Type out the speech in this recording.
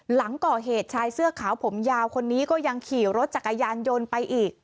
หลังเกาะเหตุชายื้อขาวผมยาวคนนี้ก็ยังขี่รถจากอาญานโยนไปอีก